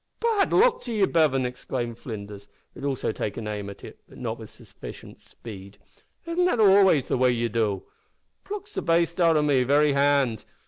"Bad luck to ye, Bevan!" exclaimed Flinders, who had also taken aim at it, but not with sufficient speed, "isn't that always the way ye do? plucks the baste out o' me very hand.